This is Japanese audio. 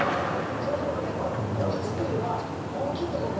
そうすると結構個室っていうよりは大きいところに。